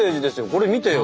これ見てよ。